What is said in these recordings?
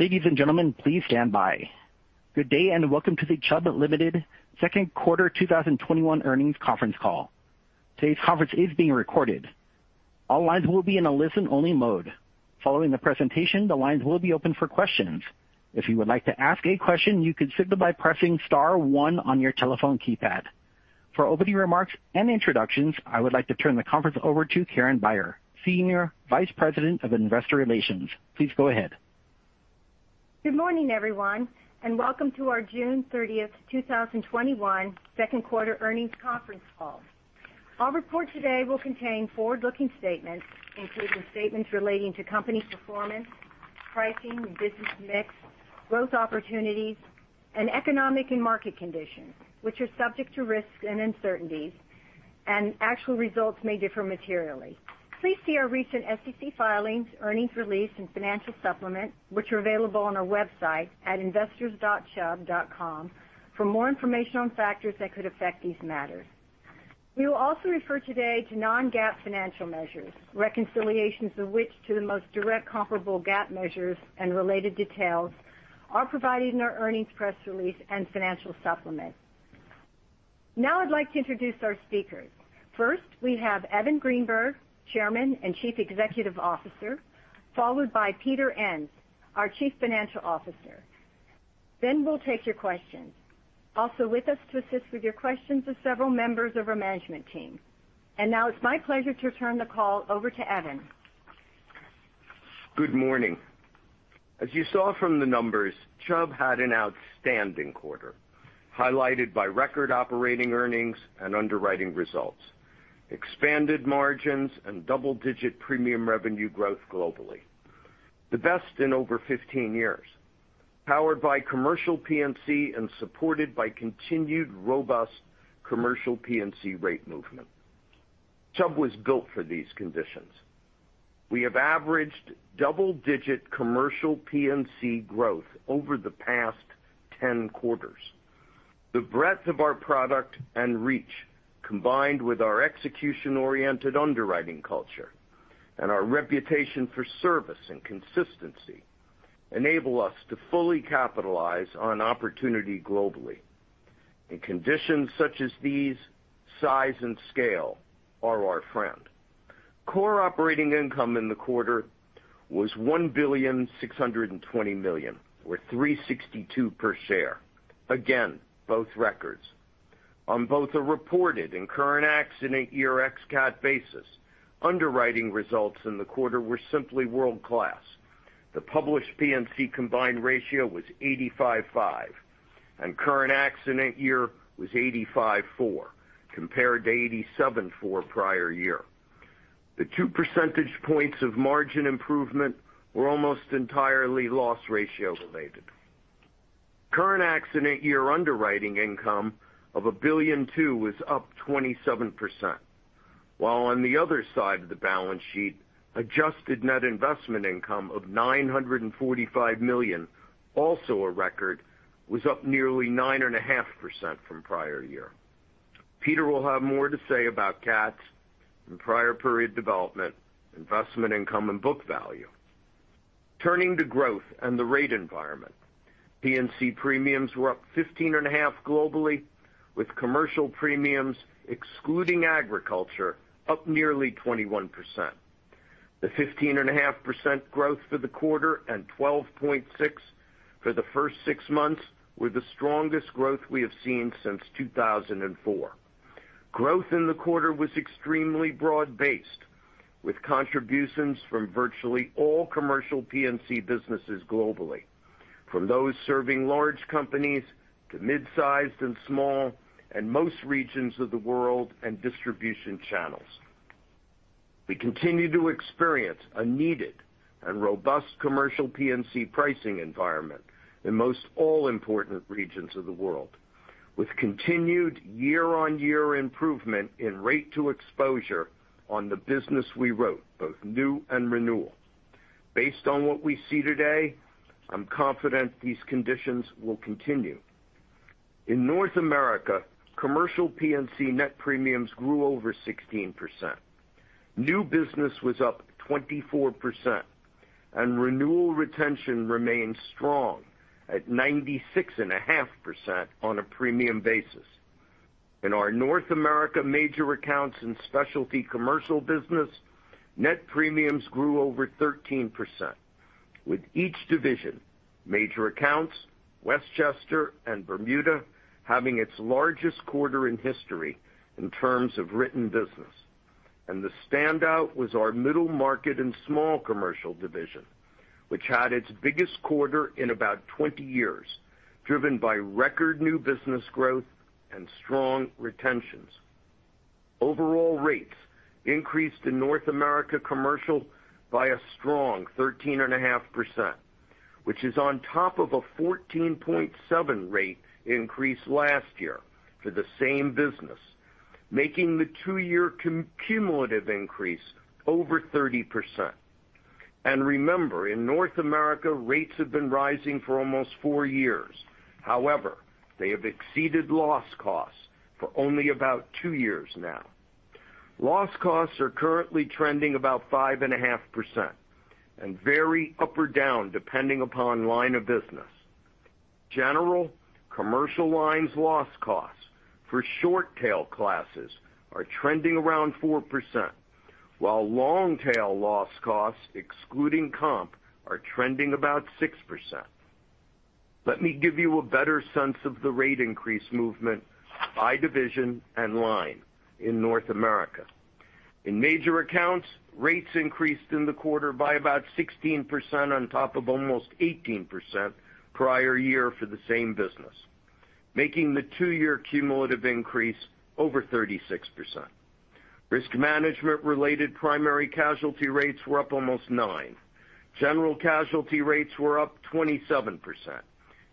Good day, and welcome to the Chubb Limited second quarter 2021 earnings conference call. This conference is being recorded. All lines will be in a listen-only mode. Following the presentation, the lines will be open for questions. If you would like to ask a question, you can do so by pressing star one on your telephone keypad. For opening remarks and introductions, I would like to turn the conference over to Karen Beyer, Senior Vice President of Investor Relations. Good morning, everyone, and welcome to our June 30th, 2021 second quarter earnings conference call. Our report today will contain forward-looking statements, including statements relating to company performance, pricing, business mix, growth opportunities, and economic and market conditions, which are subject to risks and uncertainties, and actual results may differ materially. Please see our recent SEC filings, earnings release, and financial supplement, which are available on our website at investors.chubb.com for more information on factors that could affect these matters. We will also refer today to non-GAAP financial measures, reconciliations of which to the most direct comparable GAAP measures and related details are provided in our earnings press release and financial supplement. Now I'd like to introduce our speakers. First, we have Evan Greenberg, Chairman and Chief Executive Officer, followed by Peter Enns, our Chief Financial Officer. We'll take your questions. Also with us to assist with your questions are several members of our management team. Now it's my pleasure to turn the call over to Evan. Good morning. As you saw from the numbers, Chubb had an outstanding quarter, highlighted by record operating earnings and underwriting results, expanded margins, and double-digit premium revenue growth globally. The best in over 15 years, powered by commercial P&C and supported by continued robust commercial P&C rate movement. Chubb was built for these conditions. We have averaged double-digit commercial P&C growth over the past 10 quarters. The breadth of our product and reach, combined with our execution-oriented underwriting culture and our reputation for service and consistency, enable us to fully capitalize on opportunity globally. In conditions such as these, size and scale are our friend. Core operating income in the quarter was $1.62 billion, or $362 per share. Again, both records. On both a reported and current accident year ex-CAT basis, underwriting results in the quarter were simply world-class. The published P&C combined ratio was 85.5, and current accident year was 85.4, compared to 87.4 prior year. The 2 percentage points of margin improvement were almost entirely loss ratio related. Current accident year underwriting income of $1.2 billion was up 27%, while on the other side of the balance sheet, adjusted net investment income of $945 million, also a record, was up nearly 9.5% from prior year. Peter will have more to say about CATs and prior period development, investment income, and book value. Turning to growth and the rate environment. P&C premiums were up 15.5% globally, with commercial premiums excluding agriculture up nearly 21%. The 15.5% growth for the quarter and 12.6% for the first six months were the strongest growth we have seen since 2004. Growth in the quarter was extremely broad-based, with contributions from virtually all commercial P&C businesses globally, from those serving large companies to midsize and small, and most regions of the world and distribution channels. We continue to experience a needed and robust commercial P&C pricing environment in most all important regions of the world, with continued year-on-year improvement in rate to exposure on the business we wrote, both new and renewal. Based on what we see today, I'm confident these conditions will continue. In North America, commercial P&C net premiums grew over 16%. New business was up 24%, and renewal retention remains strong at 96.5% on a premium basis. In our North America major accounts and specialty commercial business, net premiums grew over 13%, with each division, major accounts, Westchester, and Bermuda, having its largest quarter in history in terms of written business. The standout was our Middle Market and Small Commercial Division, which had its biggest quarter in about 20 years, driven by record new business growth and strong retentions. Overall rates increased in North America commercial by a strong 13.5%, which is on top of a 14.7% rate increase last year for the same business, making the two-year cumulative increase over 30%. Remember, in North America, rates have been rising for almost four years. However, they have exceeded loss costs for only about two years now. Loss costs are currently trending about 5.5% and vary up or down depending upon line of business. General commercial lines loss costs for short tail classes are trending around 4%, while long tail loss costs, excluding comp, are trending about 6%. Let me give you a better sense of the rate increase movement by division and line in North America. In major accounts, rates increased in the quarter by about 16% on top of almost 18% prior year for the same business, making the two-year cumulative increase over 36%. Risk management related primary casualty rates were up almost 9%. General casualty rates were up 27%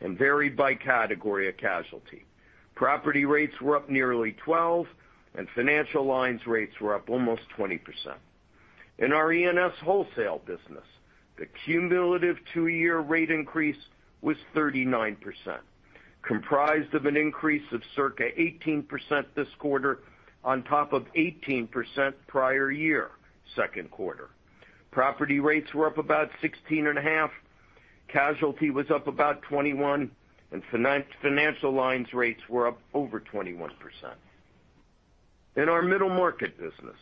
and varied by category of casualty. Property rates were up nearly 12%, and financial lines rates were up almost 20%. In our E&S wholesale business, the cumulative two-year rate increase was 39%, comprised of an increase of circa 18% this quarter on top of 18% prior year second quarter. Property rates were up about 16.5%, casualty was up about 21%, and financial lines rates were up over 21%. In our middle market business,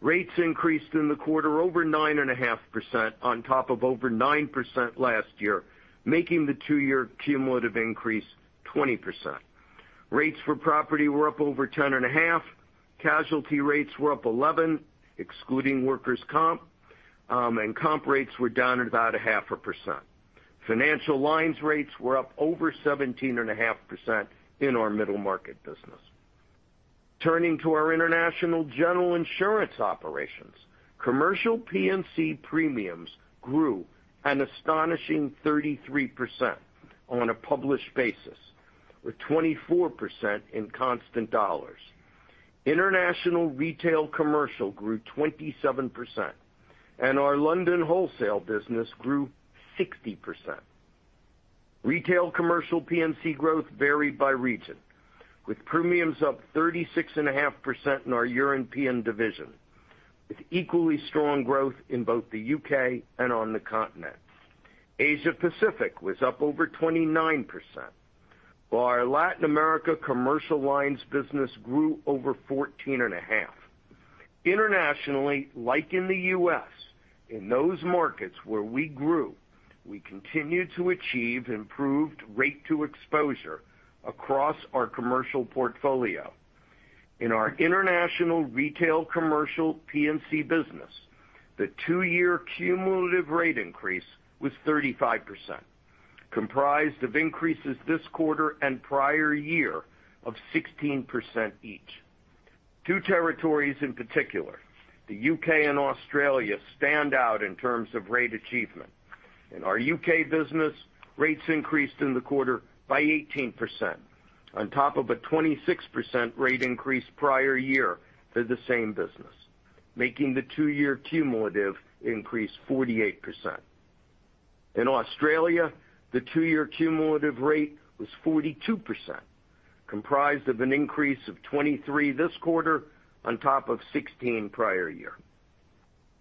rates increased in the quarter over 9.5% on top of over 9% last year, making the two-year cumulative increase 20%. Rates for property were up over 10.5%, casualty rates were up 11%, excluding workers' comp, and comp rates were down at about 0.5%. Financial lines rates were up over 17.5% in our middle market business. Turning to our international general insurance operations, commercial P&C premiums grew an astonishing 33% on a published basis, with 24% in constant dollars. International retail commercial grew 27%, our London wholesale business grew 60%. Retail commercial P&C growth varied by region, with premiums up 36.5% in our European division, with equally strong growth in both the U.K. and on the continent. Asia Pacific was up over 29%, while our Latin America commercial lines business grew over 14.5%. Internationally, like in the U.S., in those markets where we grew, we continued to achieve improved rate to exposure across our commercial portfolio. In our international retail commercial P&C business, the two-year cumulative rate increase was 35%, comprised of increases this quarter and prior year of 16% each. Two territories in particular, the U.K. and Australia, stand out in terms of rate achievement. In our U.K. business, rates increased in the quarter by 18%, on top of a 26% rate increase prior year to the same business, making the two-year cumulative increase 48%. In Australia, the two-year cumulative rate was 42%, comprised of an increase of 23% this quarter on top of 16% prior year.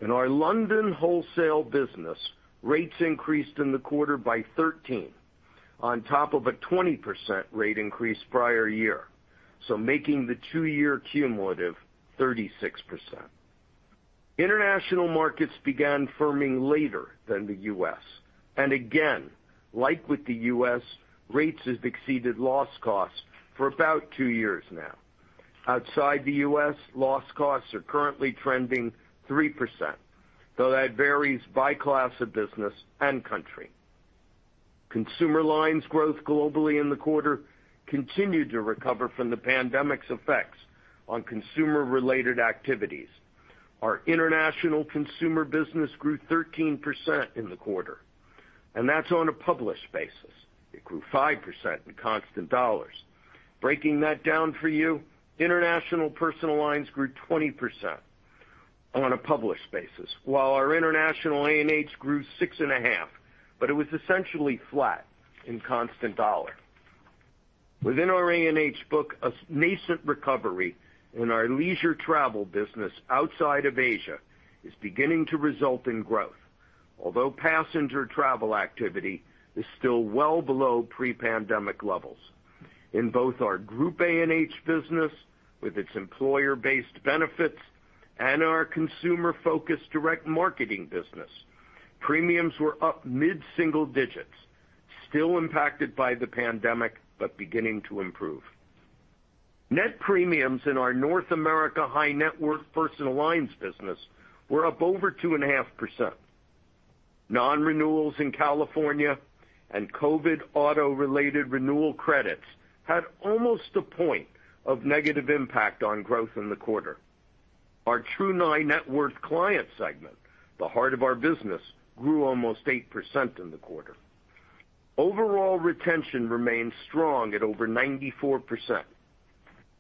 In our London wholesale business, rates increased in the quarter by 13%, on top of a 20% rate increase prior year, making the two-year cumulative 36%. International markets began firming later than the U.S. Again, like with the U.S., rates have exceeded loss costs for about two years now. Outside the U.S., loss costs are currently trending 3%, though that varies by class of business and country. Consumer lines growth globally in the quarter continued to recover from the pandemic's effects on consumer-related activities. Our international consumer business grew 13% in the quarter, that's on a published basis. It grew 5% in constant dollars. Breaking that down for you, international personal lines grew 20% on a published basis, while our international A&H grew 6.5%, it was essentially flat in constant dollar. Within our A&H book, a nascent recovery in our leisure travel business outside of Asia is beginning to result in growth. Passenger travel activity is still well below pre-pandemic levels. In both our group A&H business, with its employer-based benefits, and our consumer-focused direct marketing business, premiums were up mid-single digits, still impacted by the pandemic beginning to improve. Net premiums in our North America high net worth personal lines business were up over 2.5%. Non-renewals in California and COVID auto-related renewal credits had almost 1 point of negative impact on growth in the quarter. Our true high net worth client segment, the heart of our business, grew almost 8% in the quarter. Overall retention remains strong at over 94%,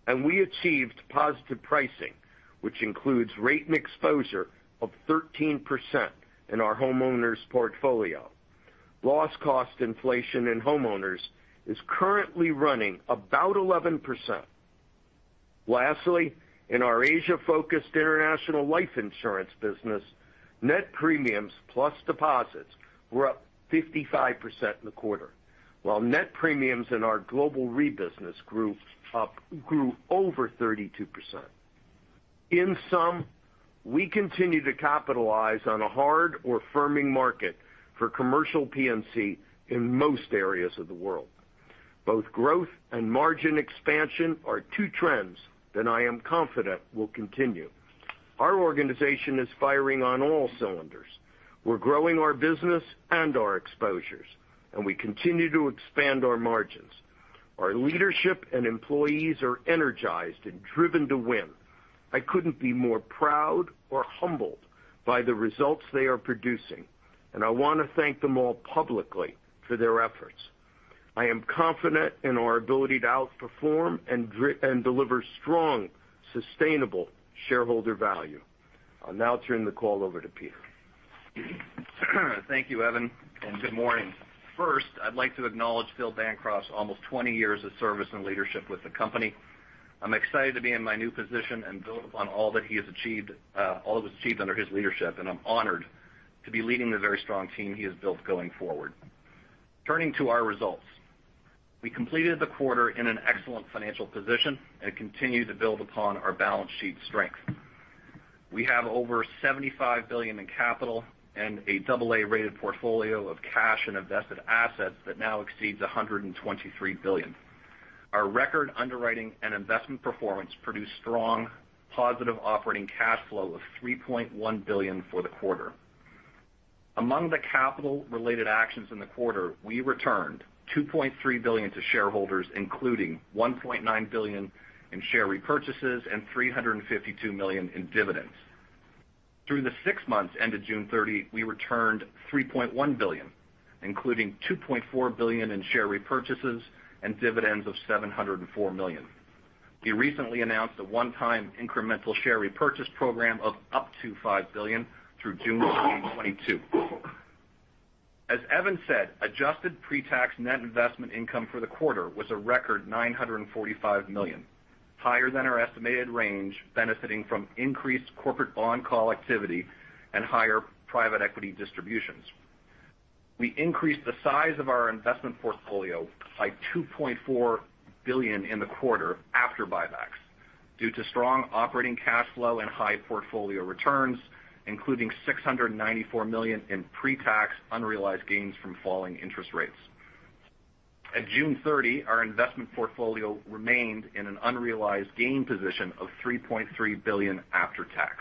and we achieved positive pricing, which includes rate and exposure of 13% in our homeowners portfolio. Loss cost inflation in homeowners is currently running about 11%. Lastly, in our Asia-focused international life insurance business, net premiums plus deposits were up 55% in the quarter, while net premiums in our global re-business grew over 32%. In sum, we continue to capitalize on a hard or firming market for commercial P&C in most areas of the world. Both growth and margin expansion are two trends that I am confident will continue. Our organization is firing on all cylinders. We're growing our business and our exposures, and we continue to expand our margins. Our leadership and employees are energized and driven to win. I couldn't be more proud or humbled by the results they are producing, and I want to thank them all publicly for their efforts. I am confident in our ability to outperform and deliver strong, sustainable shareholder value. I'll now turn the call over to Peter. Thank you, Evan. Good morning. First, I'd like to acknowledge Philip Bancroft's almost 20 years of service and leadership with the company. I'm excited to be in my new position and build upon all of what's achieved under his leadership, and I'm honored to be leading the very strong team he has built going forward. Turning to our results. We completed the quarter in an excellent financial position and continue to build upon our balance sheet strength. We have over $75 billion in capital and a AA rated portfolio of cash and invested assets that now exceeds $123 billion. Our record underwriting and investment performance produced strong positive operating cash flow of $3.1 billion for the quarter. Among the capital-related actions in the quarter, we returned $2.3 billion to shareholders, including $1.9 billion in share repurchases and $352 million in dividends. Through the six months ended June 30, we returned $3.1 billion, including $2.4 billion in share repurchases and dividends of $704 million. We recently announced a one-time incremental share repurchase program of up to $5 billion through June 2022. As Evan said, adjusted pre-tax net investment income for the quarter was a record $945 million, higher than our estimated range, benefiting from increased corporate bond call activity and higher private equity distributions. We increased the size of our investment portfolio by $2.4 billion in the quarter after buybacks due to strong operating cash flow and high portfolio returns, including $694 million in pre-tax unrealized gains from falling interest rates. At June 30, our investment portfolio remained in an unrealized gain position of $3.3 billion after tax.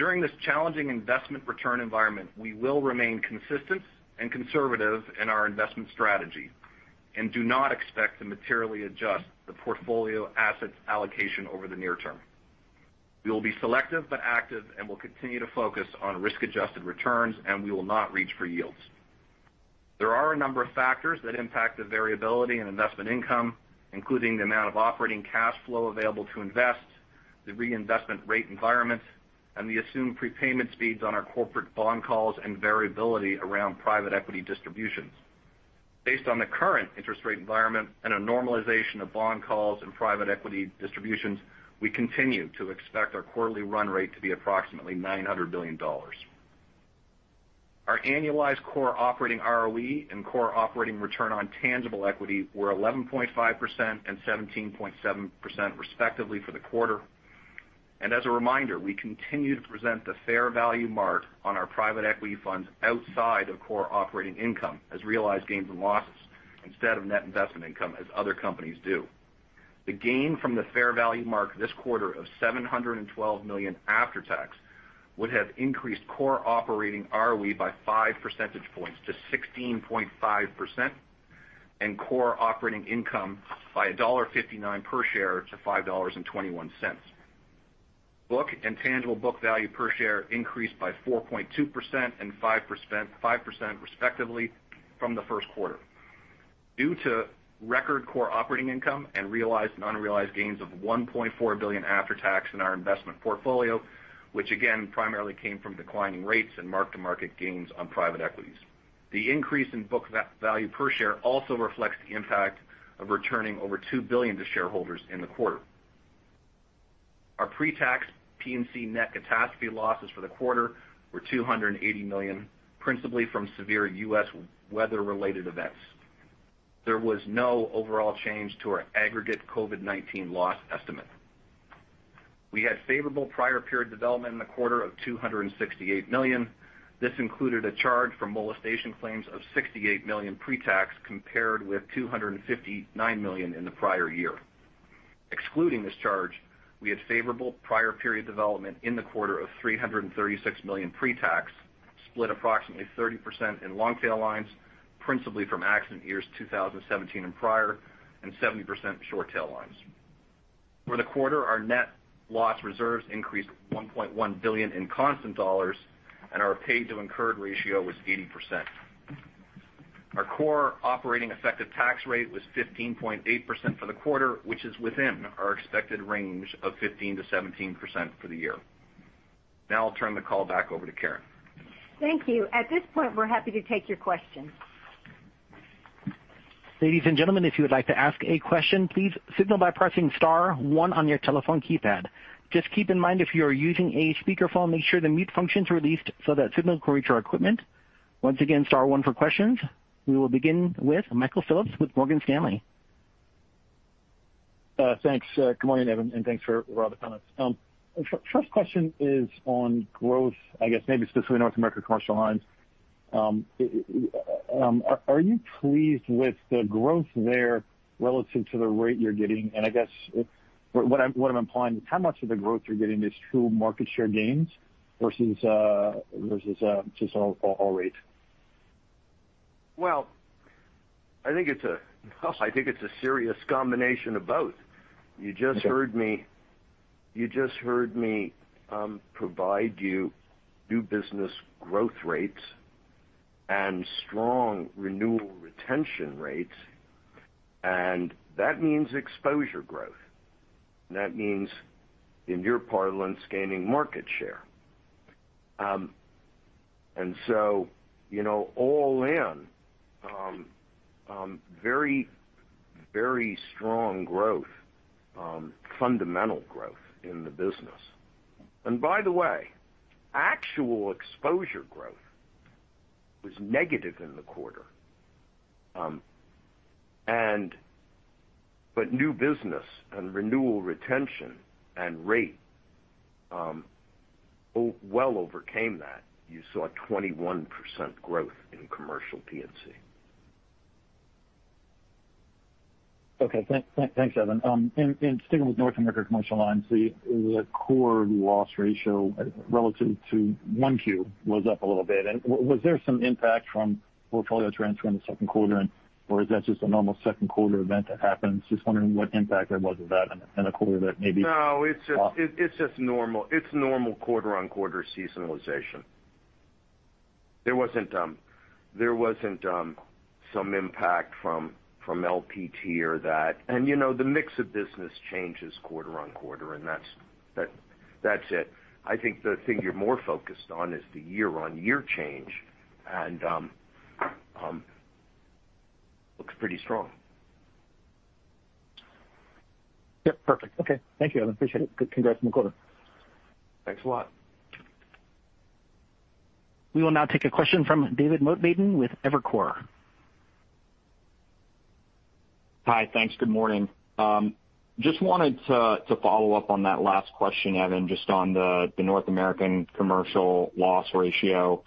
During this challenging investment return environment, we will remain consistent and conservative in our investment strategy and do not expect to materially adjust the portfolio assets allocation over the near term. We will be selective but active and will continue to focus on risk-adjusted returns, and we will not reach for yields. There are a number of factors that impact the variability in investment income, including the amount of operating cash flow available to invest, the reinvestment rate environment, and the assumed prepayment speeds on our corporate bond calls and variability around private equity distributions. Based on the current interest rate environment and a normalization of bond calls and private equity distributions, we continue to expect our quarterly run-rate to be approximately $900 million. Our annualized core operating ROE and core operating return on tangible equity were 11.5% and 17.7%, respectively, for the quarter. As a reminder, we continue to present the fair value mark on our private equity funds outside of core operating income as realized gains and losses instead of net investment income as other companies do. The gain from the fair value mark this quarter of $712 million after tax would have increased core operating ROE by 5 percentage points to 16.5% and core operating income by $1.59 per share to $5.21. Book and tangible book value per share increased by 4.2% and 5%, respectively, from the first quarter due to record core operating income and realized and unrealized gains of $1.4 billion after tax in our investment portfolio, which again, primarily came from declining rates and mark-to-market gains on private equities. The increase in book value per share also reflects the impact of returning over $2 billion to shareholders in the quarter. Our pre-tax P&C net catastrophe losses for the quarter were $280 million, principally from severe U.S. weather-related events. There was no overall change to our aggregate COVID-19 loss estimate. We had favorable prior period development in the quarter of $268 million. This included a charge for molestation claims of $68 million pre-tax compared with $259 million in the prior year. Excluding this charge, we had favorable prior period development in the quarter of $336 million pre-tax, split approximately 30% in long-tail lines, principally from accident years 2017 and prior, and 70% short tail lines. For the quarter, our net loss reserves increased $1.1 billion in constant dollars, and our paid to incurred ratio was 80%. Our core operating effective tax rate was 15.8% for the quarter, which is within our expected range of 15%-17% for the year. I'll turn the call back over to Karen. Thank you. At this point, we're happy to take your questions. Ladies and gentlemen, if you would like to ask a question, please signal by pressing star one on your telephone keypad. Just keep in mind, if you are using a speakerphone, make sure the mute function's released so that signal can reach our equipment. Once again, star one for questions. We will begin with Michael Phillips with Morgan Stanley. Thanks. Good morning, Evan, and thanks for all the comments. First question is on growth, I guess maybe specifically North America Commercial Lines. Are you pleased with the growth there relative to the rate you're getting? I guess what I'm implying is how much of the growth you're getting is true market share gains versus just on all rates? Well, I think it's a serious combination of both. You just heard me provide you new business growth rates and strong renewal retention rates, that means exposure growth. That means, in your parlance, gaining market share. All in, very strong growth, fundamental growth in the business. By the way, actual exposure growth was negative in the quarter. New business and renewal retention and rate well overcame that. You saw 21% growth in Commercial P&C. Okay. Thanks, Evan. Sticking with North America Commercial Lines, the core loss ratio relative to 1Q was up a little bit. Was there some impact from portfolio transfer in the second quarter, or is that just a normal second quarter event that happens? No, it's just normal. It's normal quarter-on-quarter seasonalization. There wasn't some impact from LPT or that. The mix of business changes quarter-on-quarter, and that's it. I think the thing you're more focused on is the year-on-year change. It looks pretty strong. Yep, perfect. Okay. Thank you, Evan. Appreciate it. Congrats on the quarter. Thanks a lot. We will now take a question from David Motemaden with Evercore. Hi. Thanks. Good morning. Just wanted to follow up on that last question, Evan, just on the North American commercial loss ratio.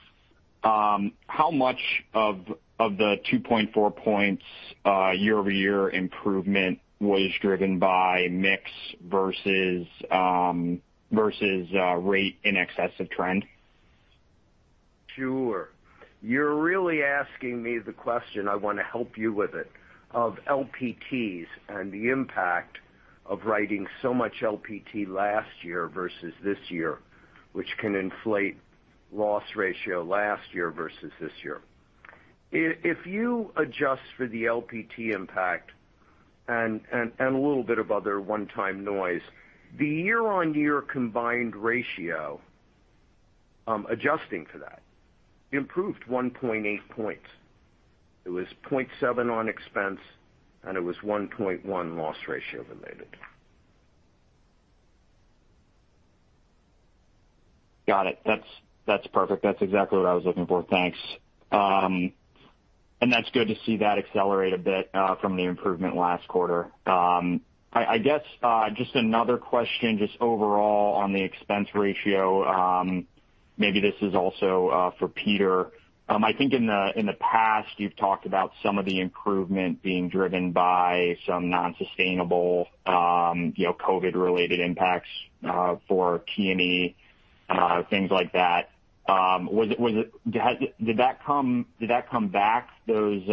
How much of the 2.4 points year-over-year improvement was driven by mix versus rate in excess of trend? Sure. You're really asking me the question, I want to help you with it, of LPTs and the impact of writing so much LPT last year versus this year, which can inflate loss ratio last year versus this year. If you adjust for the LPT impact and a little bit of other one-time noise, the year-on-year combined ratio, adjusting for that, improved 1.8 points. It was 0.7 on expense, and it was 1.1 loss ratio related. Got it. That's perfect. That's exactly what I was looking for. Thanks. That's good to see that accelerate a bit from the improvement last quarter. I guess, just another question, just overall on the expense ratio. Maybe this is also for Peter. I think in the past you've talked about some of the improvement being driven by some non-sustainable COVID-related impacts for P&C, things like that. Did that come back, those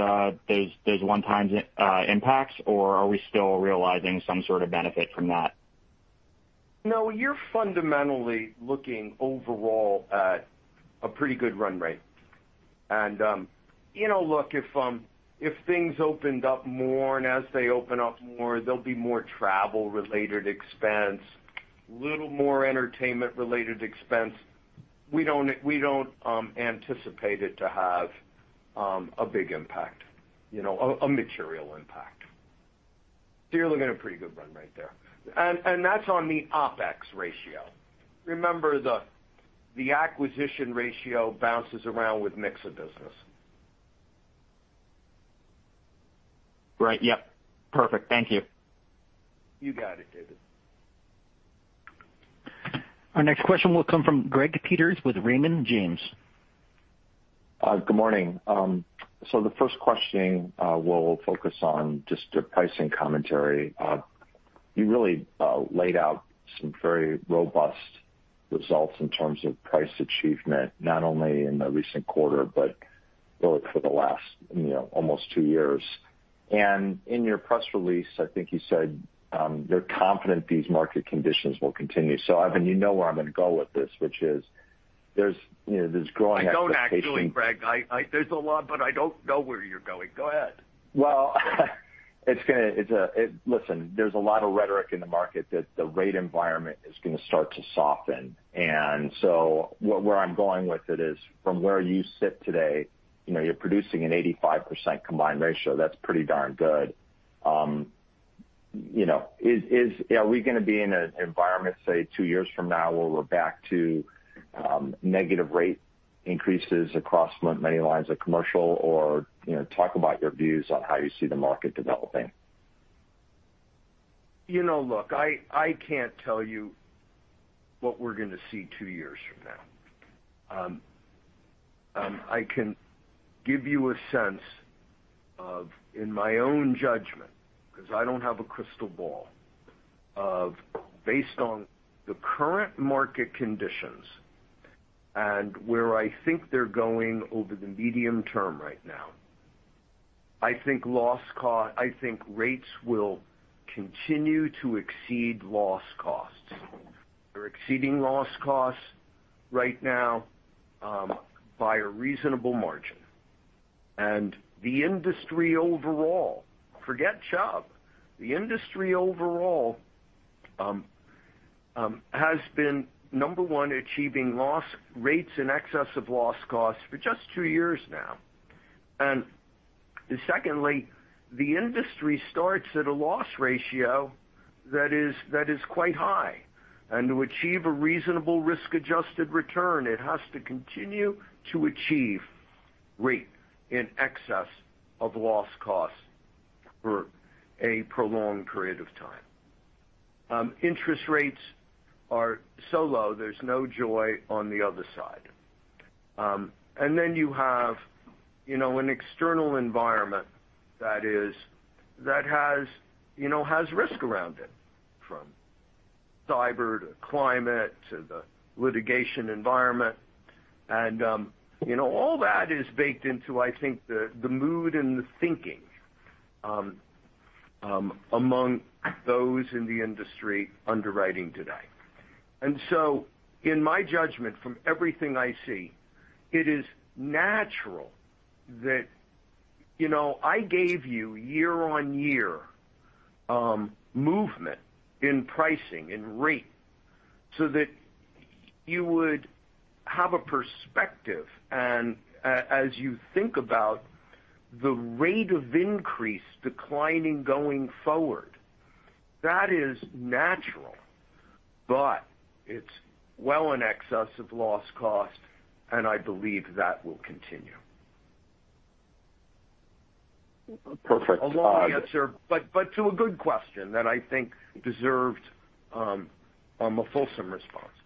one-time impacts, or are we still realizing some sort of benefit from that? No, you're fundamentally looking overall at a pretty good run-rate. Look, if things opened up more, and as they open up more, there'll be more travel-related expense, little more entertainment-related expense. We don't anticipate it to have a big impact, a material impact. You're looking at a pretty good run-rate there. That's on the OpEx ratio. Remember, the acquisition ratio bounces around with mix of business. Right. Yep. Perfect. Thank you. You got it, David. Our next question will come from Greg Peters with Raymond James. Good morning. The first questioning will focus on just the pricing commentary. You really laid out some very robust results in terms of price achievement, not only in the recent quarter, but really for the last almost two years. In your press release, I think you said you're confident these market conditions will continue. Evan, you know where I'm going to go with this, which is, there's growing expectation. I don't actually, Greg. There's a lot, but I don't know where you're going. Go ahead. Well, listen, there's a lot of rhetoric in the market that the rate environment is going to start to soften. Where I'm going with it is, from where you sit today, you're producing an 85% combined ratio. That's pretty darn good. Are we going to be in an environment, say, two years from now, where we're back to negative rate increases across many lines of commercial, or talk about your views on how you see the market developing? Look, I can't tell you what we're going to see two years from now. I can give you a sense of, in my own judgment, because I don't have a crystal ball, of based on the current market conditions and where I think they're going over the medium term right now. I think rates will continue to exceed loss costs. They're exceeding loss costs right now by a reasonable margin. The industry overall, forget Chubb, the industry overall has been, number 1, achieving rates in excess of loss costs for just two years now. Secondly, the industry starts at a loss ratio that is quite high. To achieve a reasonable risk-adjusted return, it has to continue to achieve rate in excess of loss costs for a prolonged period of time. Interest rates are so low, there's no joy on the other side. Then you have an external environment that has risk around it, from cyber to climate to the litigation environment. All that is baked into, I think, the mood and the thinking among those in the industry underwriting today. In my judgment, from everything I see, it is natural that I gave you year-on-year movement in pricing, in rate, so that you would have a perspective. As you think about the rate of increase declining going forward, that is natural, but it's well in excess of loss cost, and I believe that will continue. Perfect. A long answer, but to a good question that I think deserved a fulsome response.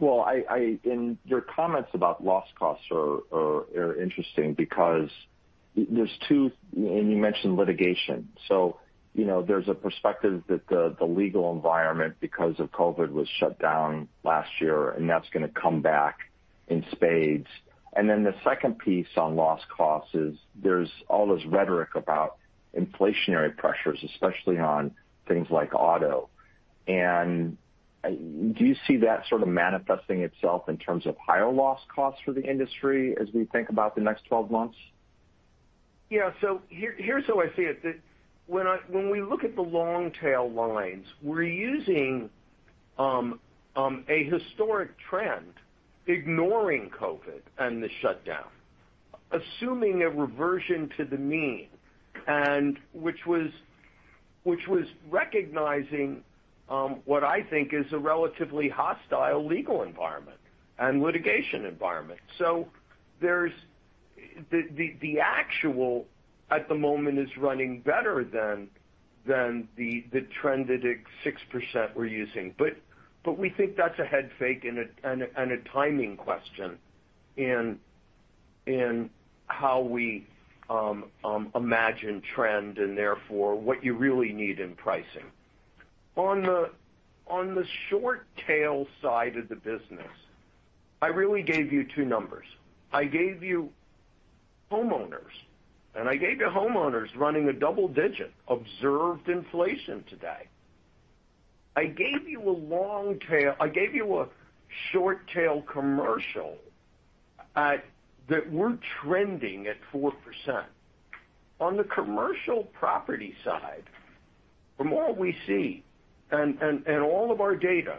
Your comments about loss costs are interesting because there's two, and you mentioned litigation. There's a perspective that the legal environment, because of COVID, was shut down last year, and that's going to come back in spades. The second piece on loss costs is there's all this rhetoric about inflationary pressures, especially on things like auto. Do you see that sort of manifesting itself in terms of higher loss costs for the industry as we think about the next 12 months? Yeah. Here's how I see it. When we look at the long-tail lines, we're using a historic trend, ignoring COVID and the shutdown, assuming a reversion to the mean, and which was recognizing what I think is a relatively hostile legal environment and litigation environment. The actual, at the moment, is running better than the trended at 6% we're using. We think that's a head fake and a timing question in how we imagine trend and therefore what you really need in pricing. On the short tail side of the business, I really gave you two numbers. I gave you homeowners, and I gave you homeowners running a double-digit observed inflation today. I gave you a short tail commercial that we're trending at 4%. On the commercial property side, from all we see and all of our data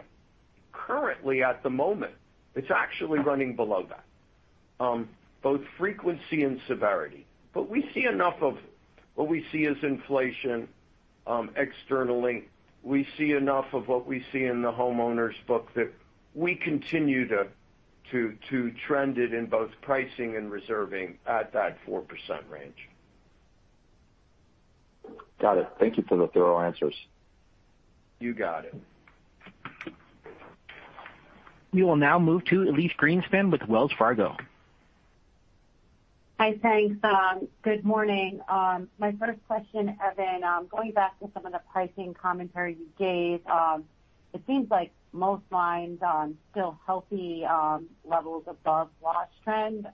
currently at the moment, it's actually running below that, both frequency and severity. We see enough of what we see as inflation externally. We see enough of what we see in the homeowners book that we continue to trend it in both pricing and reserving at that 4% range. Got it. Thank you for the thorough answers. You got it. We will now move to Elyse Greenspan with Wells Fargo. Hi, thanks. Good morning. My first question, Evan, going back to some of the pricing commentary you gave. It seems like most lines are still healthy levels above loss trend.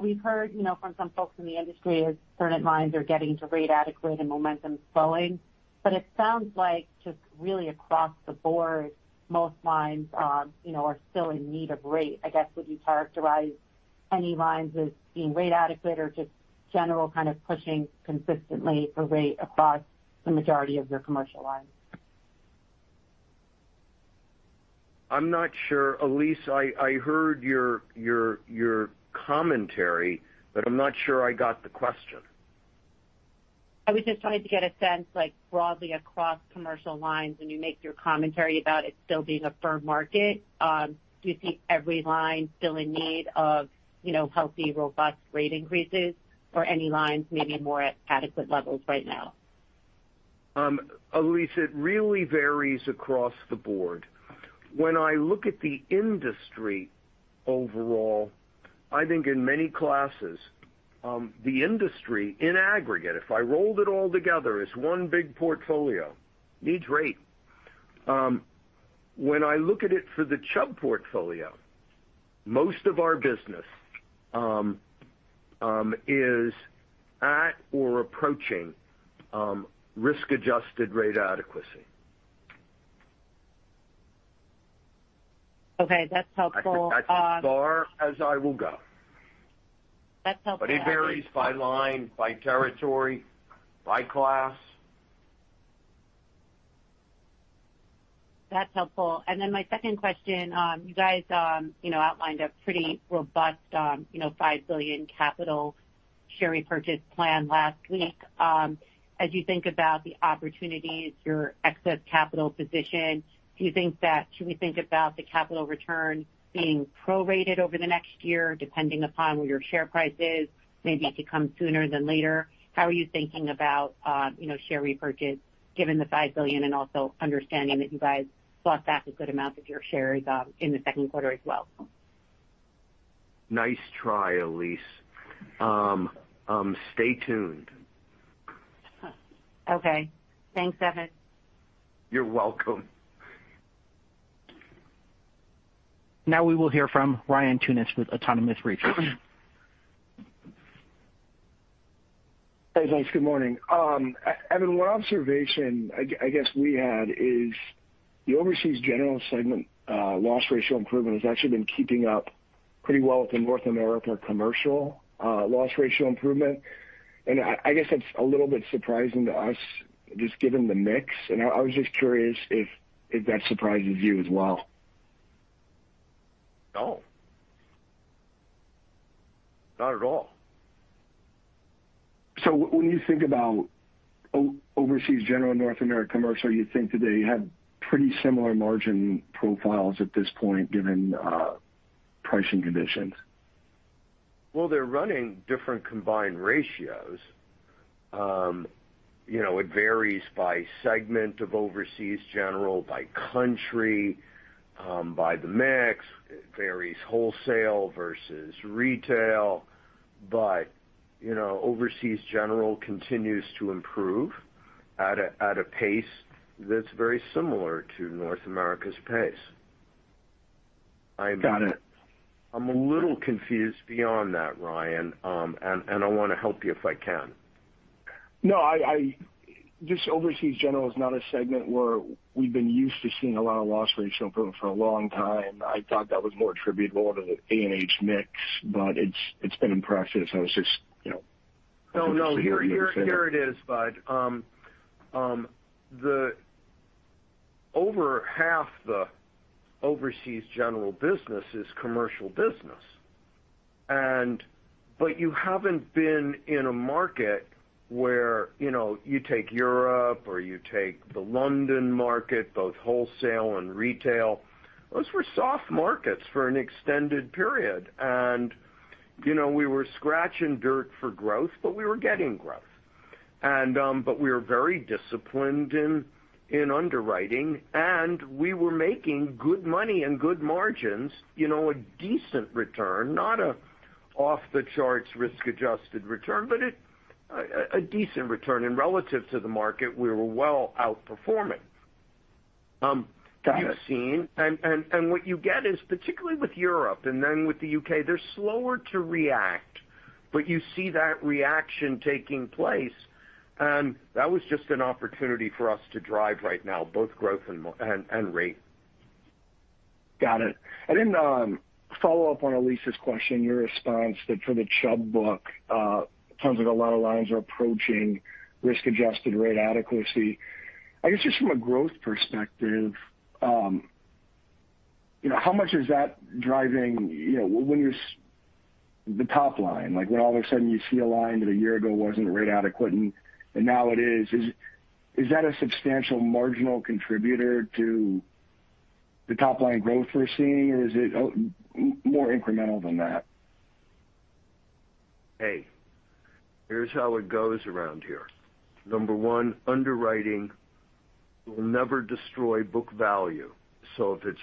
We've heard from some folks in the industry as certain lines are getting to rate adequate and momentum slowing. It sounds like just really across the board, most lines are still in need of rate. I guess, would you characterize any lines as being rate adequate or just general kind of pushing consistently for rate across the majority of your commercial lines? I'm not sure, Elyse. I heard your commentary, but I'm not sure I got the question. I was just trying to get a sense, like broadly across commercial lines, when you make your commentary about it still being a firm market, do you think every line still in need of healthy, robust rate increases or any lines maybe more at adequate levels right now? Elyse, it really varies across the board. When I look at the industry overall, I think in many classes, the industry in aggregate, if I rolled it all together as one big portfolio, needs rate. When I look at it for the Chubb portfolio, most of our business is at or approaching risk-adjusted rate adequacy. Okay. That's helpful. That's as far as I will go. That's helpful. It varies by line, by territory, by class. That's helpful. My second question. You guys outlined a pretty robust $5 billion capital share repurchase plan last week. As you think about the opportunities, your excess capital position, should we think about the capital return being prorated over the next year depending upon where your share price is? Maybe it could come sooner than later. How are you thinking about share repurchase given the $5 billion and also understanding that you guys bought back a good amount of your shares in the second quarter as well? Nice try, Elyse. Stay tuned. Okay. Thanks, Evan. You're welcome. Now we will hear from Ryan Tunis with Autonomous Research. Hey, guys. Good morning. Evan, one observation, I guess, we had is the Overseas General segment loss ratio improvement has actually been keeping up pretty well with the North America Commercial loss ratio improvement. I guess that's a little bit surprising to us, just given the mix. I was just curious if that surprises you as well. No. Not at all. When you think about Overseas General, North America Commercial, you think that they have pretty similar margin profiles at this point, given pricing conditions? Well, they're running different combined ratios. It varies by segment of Overseas General, by country, by the mix. It varies wholesale versus retail. Overseas General continues to improve at a pace that's very similar to North America's pace. Got it. I'm a little confused beyond that, Ryan, and I want to help you if I can. Overseas General is not a segment where we've been used to seeing a lot of loss ratio improvement for a long time. I thought that was more attributable to the A&H mix, but it's been impressive. Oh, no. Here it is, Bud. Over half the Overseas General business is commercial business. You haven't been in a market where you take Europe or you take the London market, both wholesale and retail. Those were soft markets for an extended period. We were scratching dirt for growth, but we were getting growth. We were very disciplined in underwriting, and we were making good money and good margins, a decent return, not an an off-the-charts risk adjusted return, but a decent return. Relative to the market, we were well outperforming. Got it. You've seen. What you get is, particularly with Europe and then with the U.K., they're slower to react, but you see that reaction taking place. That was just an opportunity for us to drive right now, both growth and rate. Got it. To follow up on Elyse's question, your response that for the Chubb book, it sounds like a lot of lines are approaching risk-adjusted rate adequacy. I guess just from a growth perspective, how much is that driving the top line? Like when all of a sudden you see a line that a year ago wasn't rate adequate and now it is. Is that a substantial marginal contributor to the top-line growth we're seeing, or is it more incremental than that? Here's how it goes around here. Number 1, underwriting will never destroy book value. If it's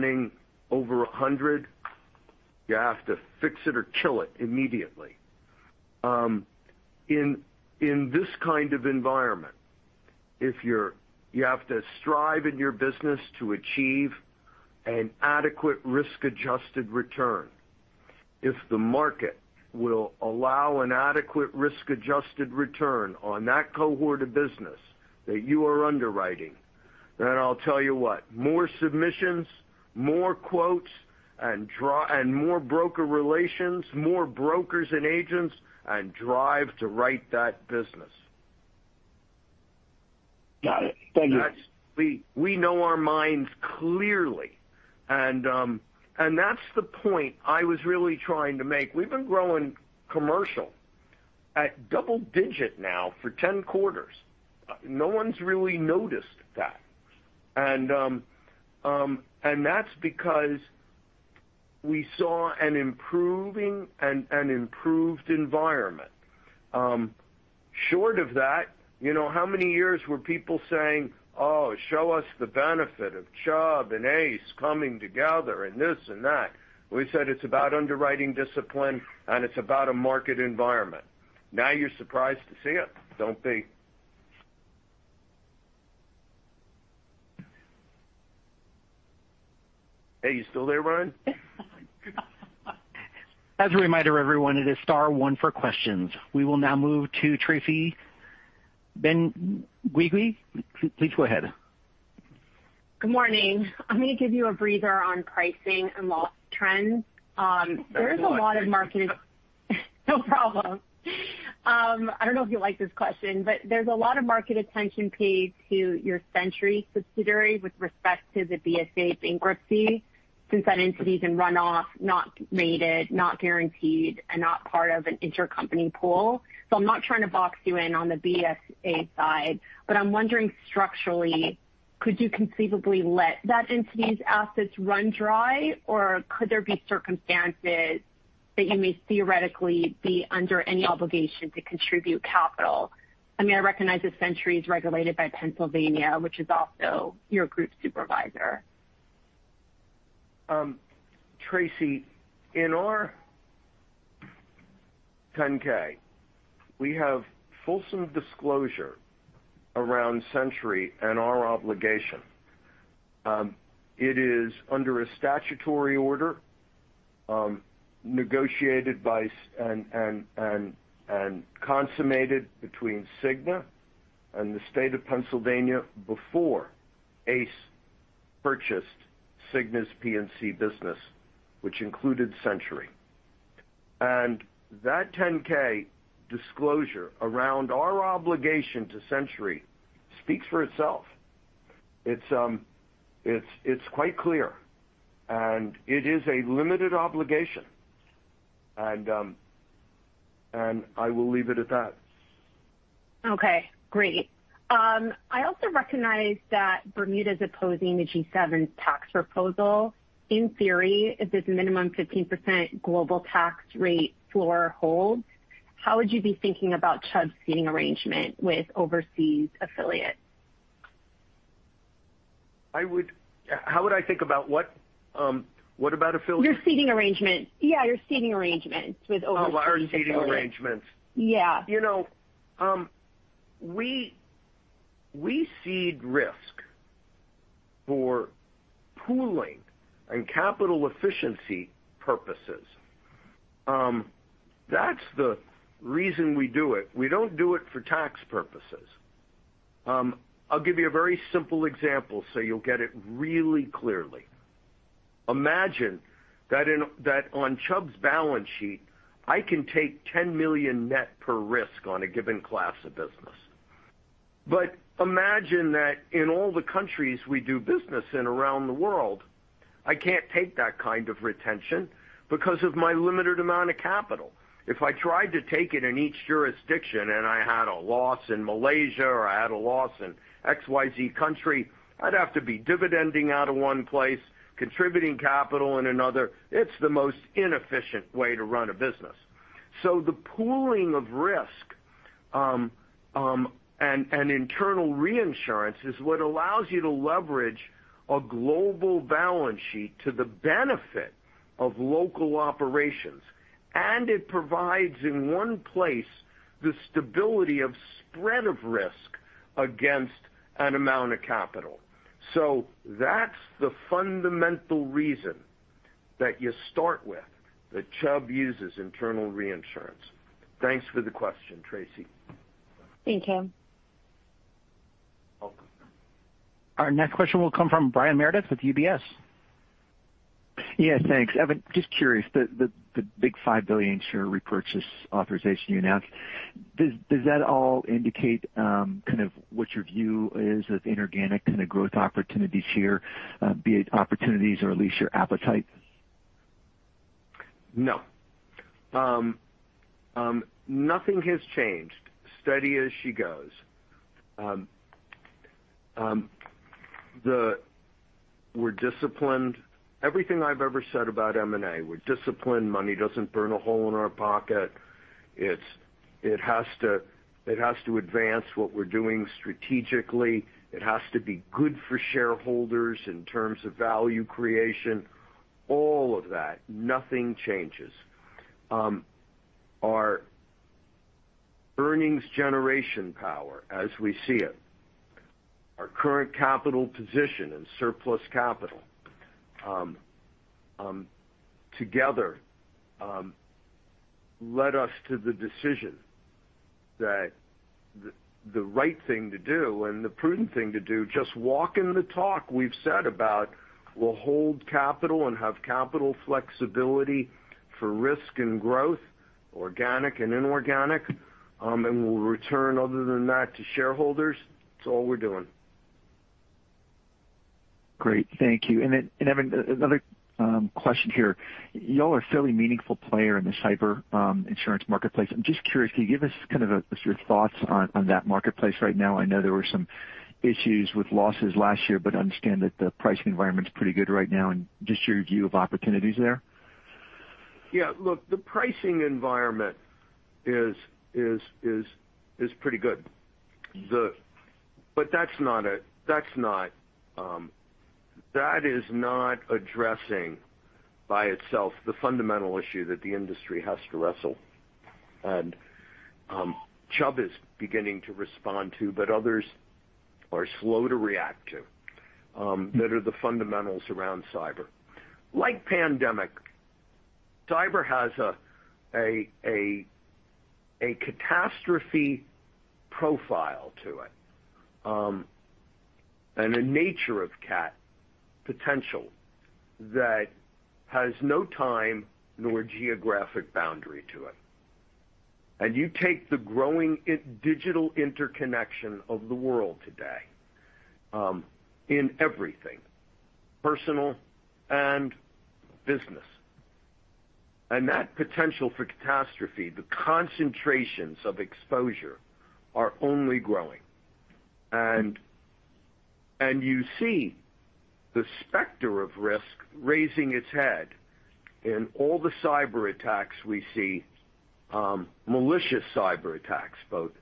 running over 100, you have to fix it or kill it immediately. In this kind of environment, you have to strive in your business to achieve an adequate risk-adjusted return. If the market will allow an adequate risk-adjusted return on that cohort of business that you are underwriting, then I'll tell you what, more submissions, more quotes, and more broker relations, more brokers and agents, and drive to write that business. Got it. Thank you. We know our minds clearly, that's the point I was really trying to make. We've been growing commercial at double-digit now for 10 quarters. No one's really noticed that. That's because we saw an improved environment. Short of that, how many years were people saying, "Oh, show us the benefit of Chubb and ACE coming together," and this and that. We said it's about underwriting discipline and it's about a market environment. Now you're surprised to see it. Don't be. Hey, you still there, Ryan? Oh, my God. As a reminder, everyone, it is star one for questions. We will now move to Tracy Benguigui. Please go ahead. Good morning. I'm going to give you a breather on pricing and loss trends. There's a lot of market- Very delightful. No problem. I don't know if you'll like this question, but there's a lot of market attention paid to your Century subsidiary with respect to the BSA bankruptcy, since that entity is in runoff, not rated, not guaranteed, and not part of an intercompany pool. I'm not trying to box you in on the BSA side, but I'm wondering structurally, could you conceivably let that entity's assets run dry, or could there be circumstances that you may theoretically be under any obligation to contribute capital? I recognize that Century is regulated by Pennsylvania, which is also your group supervisor. Tracy, in our 10-K, we have fulsome disclosure around Century and our obligation. It is under a statutory order, negotiated by and consummated between Cigna and the State of Pennsylvania before ACE purchased Cigna's P&C business, which included Century. That 10-K disclosure around our obligation to Century speaks for itself. It's quite clear, and it is a limited obligation. I will leave it at that. Okay. Great. I also recognize that Bermuda's opposing the G7 tax proposal. In theory, if this minimum 15% global tax rate floor holds, how would you be thinking about Chubb's ceding arrangement with overseas affiliates? How would I think about what? What about affiliates? Your ceding arrangement. Yeah, your ceding arrangements with overseas affiliates. Oh, our ceding arrangements. Yeah. We seed risk for pooling and capital efficiency purposes. That's the reason we do it. We don't do it for tax purposes. I'll give you a very simple example so you'll get it really clearly. Imagine that on Chubb's balance sheet, I can take $10 million net per risk on a given class of business. But imagine that in all the countries we do business in around the world, I can't take that kind of retention because of my limited amount of capital. If I tried to take it in each jurisdiction and I had a loss in Malaysia or I had a loss in XYZ country, I'd have to be dividending out of one place, contributing capital in another. It's the most inefficient way to run a business. The pooling of risk, and internal reinsurance is what allows you to leverage a global balance sheet to the benefit of local operations, and it provides, in one place, the stability of spread of risk against an amount of capital. That's the fundamental reason that you start with that Chubb uses internal reinsurance. Thanks for the question, Tracy. Thank you. Welcome. Our next question will come from Brian Meredith with UBS. Yeah, thanks. Evan, just curious, the big $5 billion share repurchase authorization you announced, does that all indicate what your view is of inorganic kind of growth opportunities here, be it opportunities or at least your appetite? No. Nothing has changed. Steady as she goes. We're disciplined. Everything I've ever said about M&A, we're disciplined. Money doesn't burn a hole in our pocket. It has to advance what we're doing strategically. It has to be good for shareholders in terms of value creation, all of that. Nothing changes. Our earnings generation power as we see it, our current capital position and surplus capital together led us to the decision that the right thing to do and the prudent thing to do, just walking the talk we've said about we'll hold capital and have capital flexibility for risk and growth, organic and inorganic, and we'll return other than that to shareholders. That's all we're doing. Great. Thank you. Then, Evan, another question here. You all are a fairly meaningful player in the cyber insurance marketplace. I'm just curious, can you give us kind of your thoughts on that marketplace right now? I know there were some issues with losses last year, but understand that the pricing environment is pretty good right now and just your view of opportunities there. Yeah. Look, the pricing environment is pretty good. That is not addressing by itself the fundamental issue that the industry has to wrestle. Chubb is beginning to respond to, but others are slow to react to, that are the fundamentals around cyber. Like pandemic, cyber has a catastrophe profile to it and a nature of cat potential that has no time nor geographic boundary to it. You take the growing digital interconnection of the world today in everything, personal and business. That potential for catastrophe, the concentrations of exposure are only growing. You see the specter of risk raising its head in all the cyber attacks we see, malicious cyber attacks, both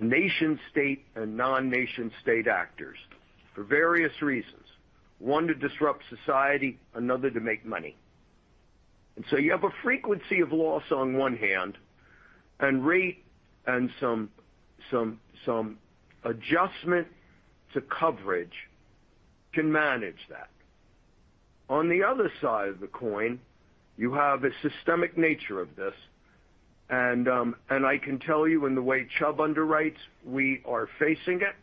nation-state and non-nation state actors for various reasons. One to disrupt society, another to make money. You have a frequency of loss on one hand and rate and some adjustment to coverage can manage that. On the other side of the coin, you have a systemic nature of this. I can tell you in the way Chubb underwrites, we are facing it,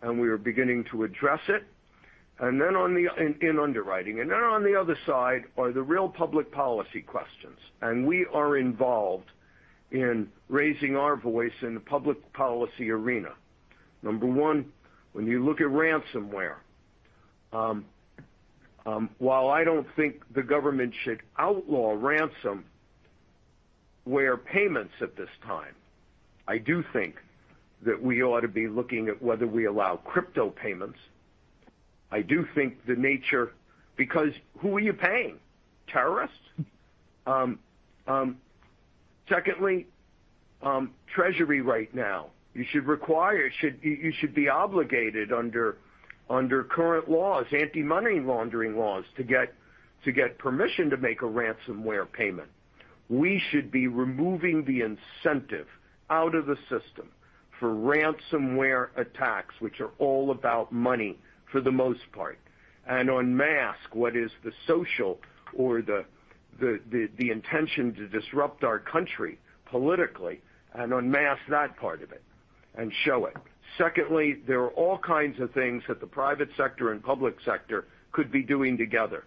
and we are beginning to address it in underwriting. On the other side are the real public policy questions. We are involved in raising our voice in the public policy arena. Number 1, when you look at ransomware, while I don't think the government should outlaw ransomware payments at this time, I do think that we ought to be looking at whether we allow crypto payments. Who are you paying? Terrorists? Secondly, Treasury right now. You should be obligated under current laws, anti-money laundering laws, to get permission to make a ransomware payment. We should be removing the incentive out of the system for ransomware attacks, which are all about money for the most part, and unmask what is the social or the intention to disrupt our country politically and unmask that part of it and show it. Secondly, there are all kinds of things that the private sector and public sector could be doing together.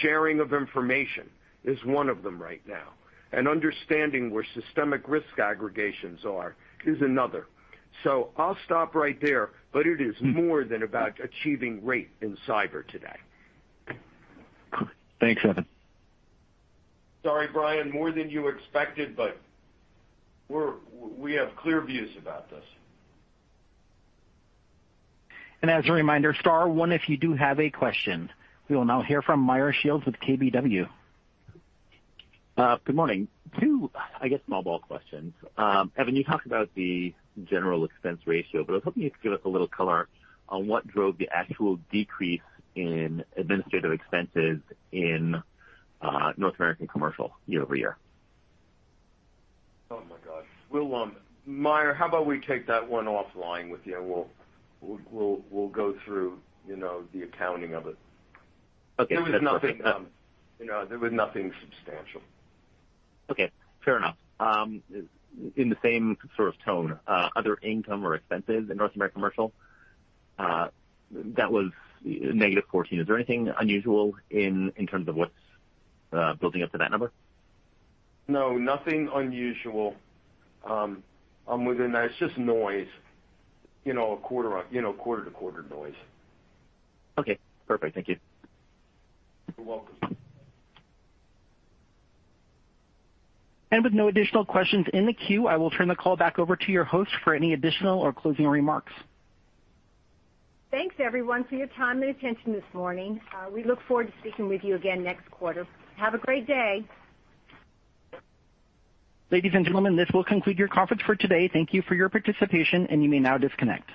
Sharing of information is one of them right now, and understanding where systemic risk aggregations are is another. I'll stop right there, but it is more than about achieving rate in cyber today. Thanks, Evan. Sorry, Brian, more than you expected, but we have clear views about this. As a reminder, star one, if you do have a question. We will now hear from Meyer Shields with KBW. Good morning. Two, I guess small ball questions. Evan, you talked about the general expense ratio, but I was hoping you'd give us a little color on what drove the actual decrease in administrative expenses in North American commercial year-over-year. Oh my gosh. Meyer, how about we take that one offline with you, and we'll go through the accounting of it. Okay. There was nothing substantial. Okay. Fair enough. In the same sort of tone, other income or expenses in North American commercial, that was -$14. Is there anything unusual in terms of what's building up to that number? No, nothing unusual within that. It's just noise. Quarter-to-quarter noise. Okay, perfect. Thank you. You're welcome. With no additional questions in the queue, I will turn the call back over to your host for any additional or closing remarks. Thanks everyone for your time and attention this morning. We look forward to speaking with you again next quarter. Have a great day. Ladies and gentlemen, this will conclude your conference for today. Thank you for your participation, and you may now disconnect.